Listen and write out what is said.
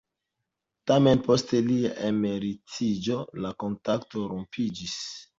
Tamen post lia emeritiĝo la kontakto rompiĝis.